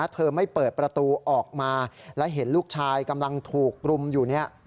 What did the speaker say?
เธอไม่เปิดประตูออกมาและเห็นลูกชายกำลังถูกรุมอยู่เนี่ย